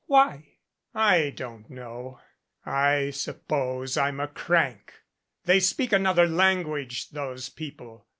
"Why?" "I don't know. I suppose I'm a crank. They speak another language those people.